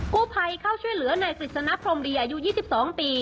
ผู้ภัยเข้าช่วยเหลือในกฤษณพรมดีอายุ๒๒ปี